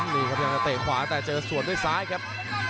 นี่ครับพยายามจะเตะขวาแต่เจอส่วนด้วยซ้ายครับ